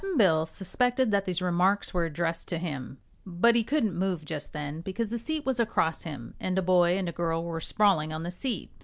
Cap'n Bill suspected that these remarks were addressed to him, but he couldn't move just then because the seat was across him, and a boy and girl were sprawling on the seat.